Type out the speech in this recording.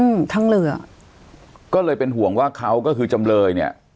อืมทั้งเรือก็เลยเป็นห่วงว่าเขาก็คือจำเลยเนี้ย